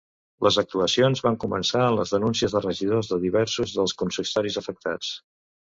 Les actuacions van començar en les denúncies de regidors de diversos dels consistoris afectats.